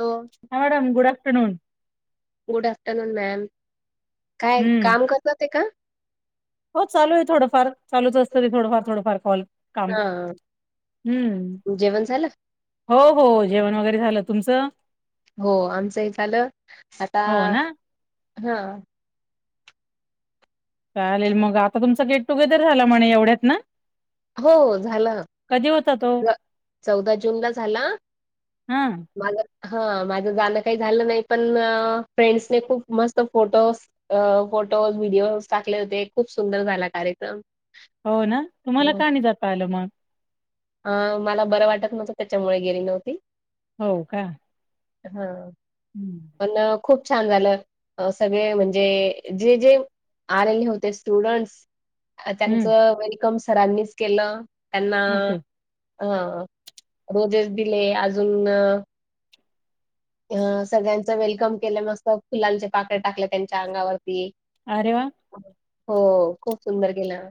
हो. हा madam, good afternoon. Good afternoon ma'am, काय हम्म काम करतात ये का? हो चालू ये थोडंफार, चालूच असतं ते थोडंफार थोडंफार कॉल काम, हा हम्म. जेवण झालं? हो हो जेवण वगैरे झालं, तुमचं? हो आमचं झालं, आता हो ना हं. चालेल, मग आता तुमचा गेट टुगेदर झाला म्हणे, एवढ्यात ना? हो झालं, कधी होता तो चौदा जून ला झाला. हम. माझ हा माझं जाणं काही झालं नाही पण फ्रेंड्से खूप मस्त फोटो अ फोटोज व्हिडिओज टाकले होते, खूप सुंदर झाला कार्यक्रम. हो ना, तुम्हाला का जात पाहिलं मग? अ मला बरं वाटत न्हवतं, त्याच्यामुळे गेली नव्हती. हो का? हं, हम्म पण खूप छान झालं. सगळे म्हणजे, जे जे आलेले होते स्टुडंट्स. हम्म, त्यांचं वेलकम सरांनीच केलं, त्यांना. ओके हं रोजेस दिले, अजून अ सगळ्यांच वेलकम केलं, मस्त फुलांचे पाकळ्या टाकले त्यांच्या अंगावरती आरे वा! हो खूप सुंदर गेलं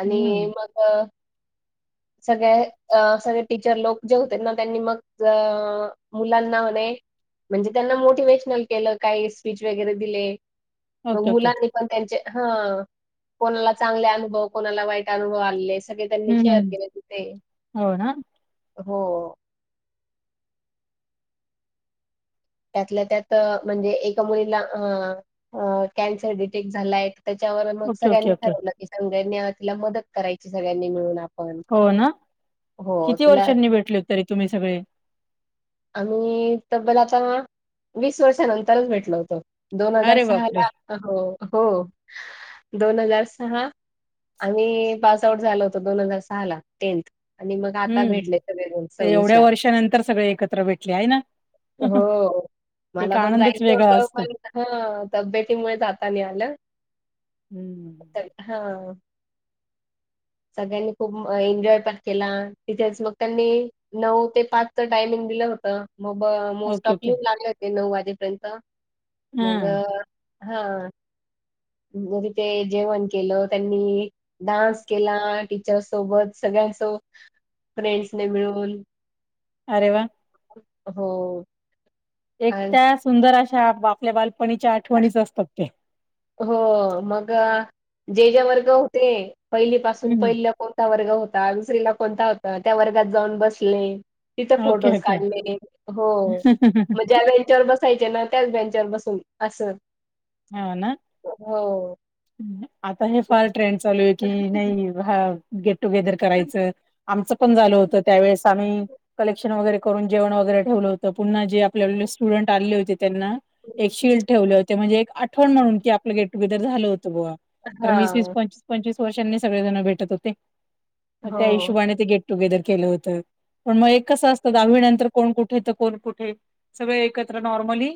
आणि हम्म मग सगळ्या अ सगळे टीचर लोक जे होते ना त्यांनी मग अ मुलांना म्हणे म्हणजे त्यांना मोटिवे्शनल केलं काही स्पीच वगैरे दिले मग ओके ओके मुलांनी पण त्यांचे हं कोणाला चांगले अनुभव कोणाला वाईट अनुभव आलेस- सगळे त्यांनी हम्म शेअर हम्म केले तिथे हो ना हो त्यातल्या त्यात म्हणजे एका मुलीला कॅन्सर डिटेक झालाय त्याच्यावर मग ओके ओके सगळ्यांनी ओके ठरवलं की सगळ्यांनी तिला मदत करायची सगळ्यांनी मिळून आपण. हां. हो ना हो, किती तिला वर्षांनी भेटले हो तरी तुम्ही सगळे? आम्ही तब्बल आता वीस वर्षानंतरच भेटल होतो दोन हजार अरे सहा बापरे ला हो हो दोन हजार सहा आम्ही पास आऊट झालो होतो दोन हजार सहा ला टेन्ट. आणि मग आता भेटले सगळे जण सव्वीस ला. त्याच्या नंतर सगळे एकत्र भेटले हाय ना? हो! एक मला पण आनंदच जायचं वेगळा होत असतो. पण हं तब्येतीमुळे जाता नाही आलं हम्म! हा! सगळ्यांनी खूप एन्जॉय पण केला तिथेच मग त्यांनी नऊ ते पाचचं टायमिंग दिलं होतं मोब most okay off okay use लागले होते नऊ वाजेपर्यंत हा मग हा, म तिथे जेवण केलं त्यांनी डान्स हा, टीचर् सोबत सगळ्यांसो फ्रेंड्स ने मिळून अरे वा हो! एक आणि त्या सुंदर अश्या आप आपल्या बालपणीच्या आठवणीच असतात ते. हो मग जे जे वर्ग होते पहिली पासून हम्म पहिलीला कोणता वर्ग होता दुसरीला कोणता होता त्या वर्गात जाऊन बसले तिथे ओके फोटोज ओके काढले हो मग ज्या बेंच वर बस यचे ना त्याच बँंचवर बसून असं हा ना! हो! आता हे फार ट्रेंड चालू आहे की नाही भा गेट टुगेदर करायचं आमचं पण झालं होत त्यावेळेस आम्ही कलेक्शन वगैरे करून जेवण वगैरे ठेवलं हो त, पुन्हा जे आपल्या वेळेस स्टुडंट आलेले होते त्यांना एक शिल्ड ठेवले होते म्हणजे एक आठवण म्हणून की आपलं गटुगेर झालं होत बुवा कारण वीस वीस हां, पंचवीस-पंचवीस वर्षांनी सगळे जण भेटत होते मग त्या हो. हिशोबाने ते गेट टुगेदर केलं होत. पण म एक कसं असतं दहावीनंतर कोण कुठे तर कोण कुठे सगळे एकत्र नॉर्मली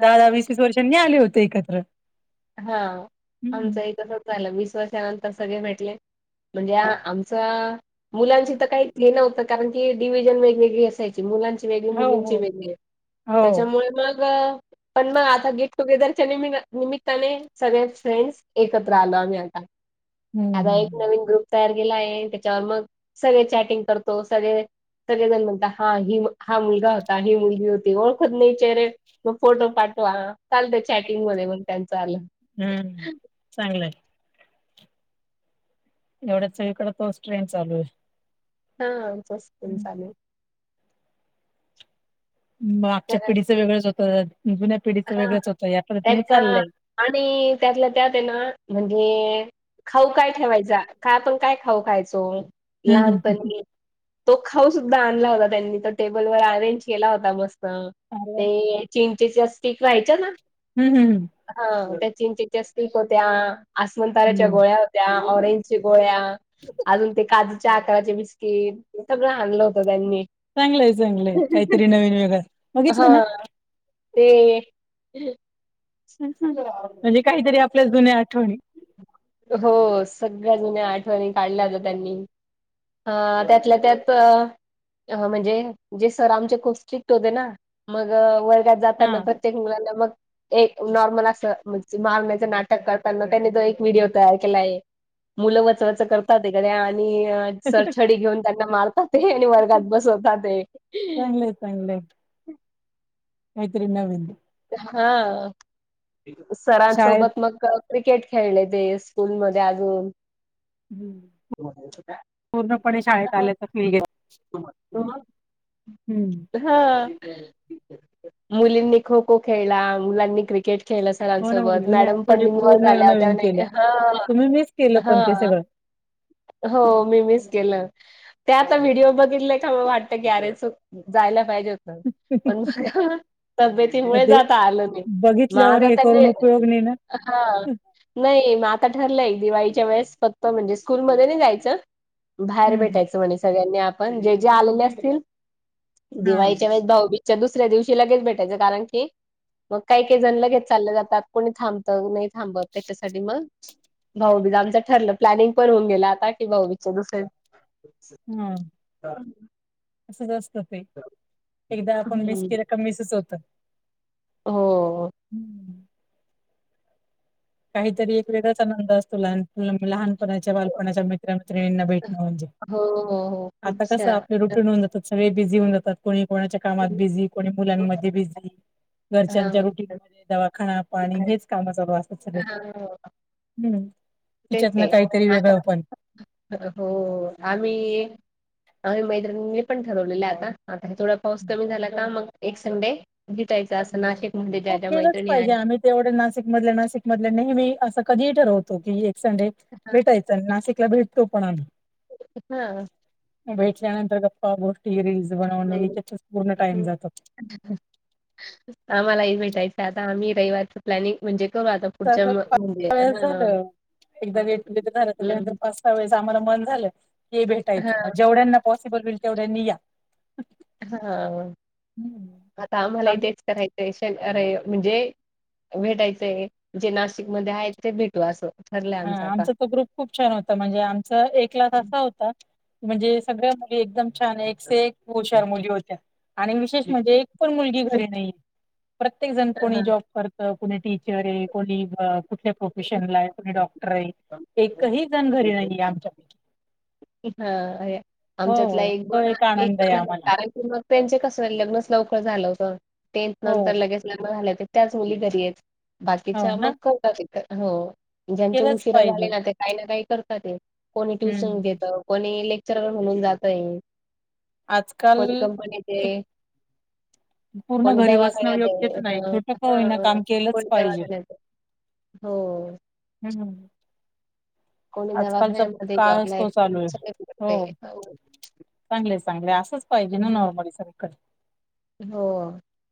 दहा दहा वीस वीस वर्षांनी आले होते एकत्र हा हं. आमचंही तसच झालं वीस वर्षानंतर सगळे भेटले म्हणजे आमचा मुलांशी तर काही हे नव्हतं कारण की डिव्हजन वेगवेगळी असायची ती मुलांची वेगळी हो मुलींची हो. वेगळी हो त्याच्यामुळे मग पण मग आता गेट टुगेदरच्या निमि निमित्ताने सगळ्या फ्रेंड्स एकत्र आलो आम्ही आता आता एक हम्म. नवीन ग्रुप तयार केला आहे त्याच्यावर मग सगळे चॅटिंग करतो. सगळे सगळे जण म्हणत हा ही हा मुलगा होता ही मुलगी होती ओळखत नाही चेहरे मग फोटो पाठवा चालत चॅटिंग मध्ये मग त्यांचं आलं. चांगलय. एवढ्यात सगळीकड तोच ट्रेंड चालू आहे. हा आमचं असत हम्म. चालू. आमच्या पिडीच वेगळंच होतं जुन्या पिढीचं हा वेगळंच होतं या त्यात पद्धतीने अ चालय. आणि त्यातला त्यातय ना म्हणजे खाऊ काय ठेवायच का आपण काय खाऊ खायचो हम्म हम्म लहानपणी तो खाऊ सुद्धा आणला होता त्यांनी तर. टेबल वर अरेंज केला होता मस्त हम्म ते चिंचेच्या स्टिक राहायच्या ना. हम्म हम्म हां त्या चिंचेच्या स्टिक होत्या आसमताऱ्याच्या हम्म. गोळ्या होत्या ऑरेंज गोळ्या अजून ते काजूच्या आकाराचे बिस्किट हे सगळं आणलं होतं त्यांनी. चांगलय चांगलय काहीतरी नवीन वेगळच. हां ते म्हणजे काहीतरी आपल्या जुन्या आठवणी. हो सगळ्या जुन्या आठवणी काढल्या होत्या त्यांनी. अ त्यातल्या त्यात म्हणजे जे सर आमचे खुप स्ट्रिक्ट होते ना मग वर्गात जाताना हा. प्रत्येक मुलाला मग एक नॉर्मल असं म्हणजे मारण्याचं नाटक करताना त्यांनी तो एक व्हिडिओ तयार केला आहे. मुलं वचवच करतात एखाद्या आणि सर छडी घेऊन त्यांना मारतात. ते आणि वर्गात बसवताते.. चागंलय. मैत्री नविन. हां शाळेत सरांसोबत मग क्रिकेट खेळले ते स्कूल मध्येअजून हं. पूर्णपणे शाळेत आल्याचा फिल [unintelligible] हम्म हां मुलींनी खो खो खेळला, मुलांनी क्रिकेट खेळला. हो ना मग सरांनसोबत जुन्या मॅडम पण आठवणी इनवॉल पूर्ण झाल्या होत्या नवीन केल्या हां तुम्ही मिस केलं पण ते हां सगळं हो मी मीस केलं. ते आता व्हिडिओ बघितले का वाटतं की अरे चुक जायला पाहिजे होतं. पण मग तब्येत मग मुळे ते जात आलं नाही मग बघितल्यावर आता हे त्यांनी करून उपयोग नाही ना हां नाही मग आता ठरलंय दिवाळीच्या वेळेस फक्त म्हणजे स्कूलमध्ये नाही जायचं. बाहेर हम्म भेटायचं म्हणे सगळ्यांनी आपण जे जे आलेले असतील हा दिवाळीच्या वेळेस भाऊबीज च्या दुसऱ्या दिवशी लगेच भेटायचं कारण की मग काही काही जण लगेच चालले जातात कोणी थांबत नाही थांबत त्याच्यासाठी मग भाऊबीज आमच ठरलं प्लॅनिंग पण होऊन गेल आता की भाऊबीच्या दुसऱ्या हां असच असत ते एकदा आपण मिेस केलं का मिसच होत. हो काहीतरी एक वेगळाच आनंद असतो लहान मुला लहान- कोणाच्या बालपणाच्या मित्रमित्रिणीना भेटणं म्हणजे हो हो हो खूप आता कसं छान. आपलं रुटीन होऊन जात. सगळे बिझी होऊन जातात. कोणी कोणाच्या कामात बिझी कोणी मुलांमध्ये बिझी घरच्यांच्या हां रुटीन दवाखान्यात पाणी, हेच काम चालू असतात सगळे, हां हम्म. तेच तिच्यात ना आहे काहीतरी वेगळं आता पण हो आम्ही, आम्ही मैत्रिणीनी पण ठरवल आता. आता हे थोडा पाऊस कमी झाला का मग, एक संडे भेटायचा असं नाशिक हो केलंच पाहिजे आम्ही तेवढे नाशिक मधल्या, नाशिक मधल्या नेहमी असं कधीही ठरवतो की, एक संडे भेटायच. नाशिकला भेटतो पण आम्ही, हां भेटल्यानंतर प्पा, गोष्टी, रीलस बनवणे, ह्याच्यात पूर्ण टाइम हम्म जातो. [unintelligible] आम्हालाही भेटायचं आता, आम्ही रविवारचं प्लॅनिंग म्हणजे करू आता पुढच्या म [unintelligible] पा म्हणजे वेळेस हां. झालं एकदा वेट तर झालं त्याच्यानंतर हं. पास [unintelligible] या वेळेस आम्हाला मन झालं, की भेटायचं मग जेवढ्यांना हां. पॉसिबल होईल तेवढ्यांनी या हां. हम्म. आता आम्हाला हि तेच करायच, शनिवारी म्हणजे भेटायचंय, जे नाशिक मध्ये आहेत, ते भेट लं असं ठरलं. हा आमचा तो ग्रुप खूप छान होता, म्हणजे आमच एक् लास असा होता म्हणजे सगळ्या मुली एकदम छान एके से एक हुशार मुली होत्या आणि विशेष म्हणजे एक पण मुलगी घरी नहीे. प्रत्येक जण कोणी हां. जॉब करत, कोणी टीचर ये, कोणी कुठल्या प्रोफेशनला ये डॉक्टर ये, एकही जण घरी नहीे, आमच्यापैकी. [unintelligible] हा अरे आमच्यातला हो एक तो दोन आनंद आहे द आम्हाला कार [unintelligible] [unintelligible] त्यांचे कस लग्न लवकर झालं होतं, टेंथ हो नंतर लगेच लग्न झालेत त्याच मुली घरी येत, हो बाकीच्या ना मग करतात, हॊ. ज्यांचे केलंच उशिरा पाहिजे झाले ना, ते काही ना काही करतात ते, कोणी ट्युशन हम्म घेत कोणी लेक्चर म्हणून जातय. आजकाल कोण कंपनीत ये. एक पूर्ण कोणी घरी बसणं दवाखाण्यात योग्यच ये, नाही छोटं का अ होईना हं, काम केलंच कोणी पाहिजे दवाखान्यात हो. ह्हम्म. कोणी दवाखान्यामध्ये काळच जॉबला तो चालू [unintelligible] चांगलय, चांगल असंच पाहिजे ना, हं, नॉर्मली सगळीकड. हो.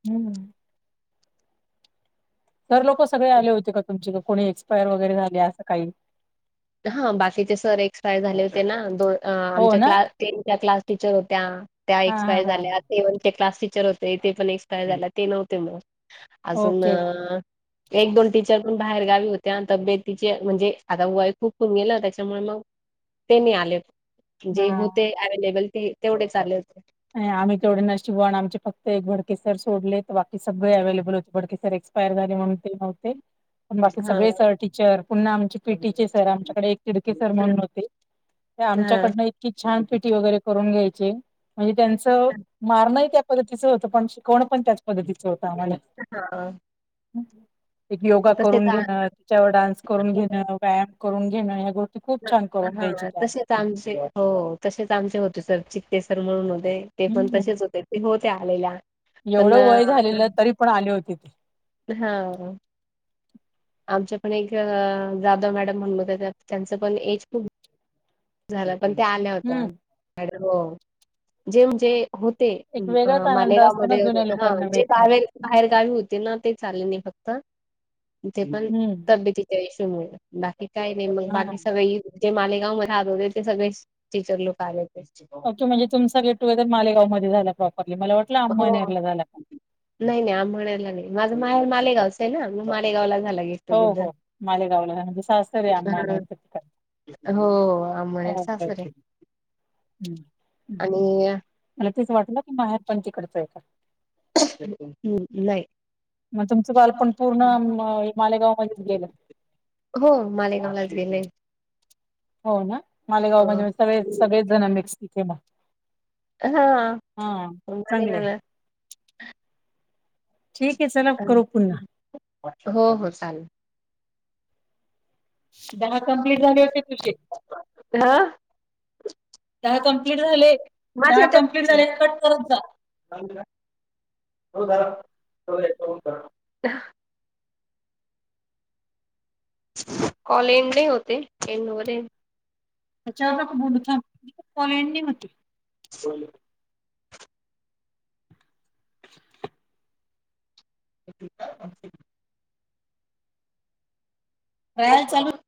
हम्म. सर लोक सगळे आले होते का तुमचे, क कोणी एक्सपायर वगैरे झाले असं काही? हं बाकीचे सर एक्सपायर झाले होते ना, दोन हो आमच्या ना क्लास-क्लास टीचर होत्या. त्या हा हा एक्सपायर हा झाल्या, ते वन क्लास टीचर होते, ते पण एक्सपायर झाले ते नव्हते म. अजून ओके एक दोन टीचर पण बाहेर गावी होत्या, अन तब्बेतीचे म्हणजे आता वय खूप होउन गेलं त्याच्यामुळे मग, ते नही आले, हा जे होते अवेलेबल ते, तेवढेच आले होते. आणि आम्ही केवडे नशीब वाण आमचे फक्त एक भडकेसर सोडले बाकी सगळे अव्हेलेबल होते, भडके सर एक्सपायर झाले म्हणून ते नव्हते. पण बाकी हा सगळे सर टीचर, पुन्हा आमचे पीटीचे सर आमच्याकडे एक तीडके सर म्हणून होते. ते हा आमच्याकडनं इतकी छान पिटी वगैरे करून घ्यायचे. म्हणजे त्यांचं मारणंही त्या पद्धतीचं होतं पण शिकवणं पण त्याच पद्धतीचं होतं आम्हाला [unintelligible] एक योगा तसे करून घेणं तिच्यावर डान्स करून घेणं. व्यायाम करून घेणं हया गोष् हा तसेच आमचे हो तसेच आमचे होते सर चित्तेसर म्हणून होते ते पण तसेच होते हो त्या आलेल्या पण एवढं अ, वय झालेलं तरी पण आले होते ते हा आमच्या पण एक जाधव मॅडम म्हणून होत्या त्या त्यांचं पण एज खूप झालं पण त्या आल्या होत्या हम्म आणि हो जे म्हणजे होते एक वेगळाच आनंद मालेगाव असतो ना मध्ये होते जुन्या हा लोकांना जे भेटण्याचा बाहेर बाहेर गावी होते ना तेच आले नाही फक्त तेे पण हम्म तब्येती त्या इशु मुळे बाकी काय नाय मग हा बाकी सगळे जे मालेगाव म राहत होते ते सगळेच टीचर लोक आले. होते. ओके म्हणजे तुमचा गेटुगेदर मालेगाव मध्ये झाला प्रॉपरली मला वाटलं हो. अम्नेरलर झाला काय नाही नाही आंबरनेर माझा माझं माहेर मालेगावच ये ना म मालेगावला झाला गेट हो टुगेदर. हो मालेगावला हं म्हणजे सासर ये अंमळनेर च्या ठिकाणी हो आम्बरनेर सासर ये ओके हम्म हम्म आणि मला तेच वाटलं की माहेर तिकडचं आहे का? ह नाही. म तुमचं बाल पण पूर्ण मं हे मालेगाव मध्येच गेलं हो मालेगावलाच गेलय. हो ना मालेगाव हो. म्हणजे सगळे सगळेच जण मिक्स तिथे म हा हा चांगलंय. मालेगावला ठीक आहे चला करू पुन्हा हो हो चालेल. [unintelligible] दहा हा कंप्लीट झाले होते तुझे दहा त्याला कंप्लीट कंप्लिट झाले करूदे दहा माझ्या आता कंप्लीट झाले कट करत जा त्याच्यावर [unintelligible] [unintelligible] कॉल एंड नही होत ये एंड होऊदे. त्याच्यावरण पण बोलू थांब कॉल एंड नाही होत ये. बोल [inaudible] [inaudible] ट्रायल चालू [unintelligible]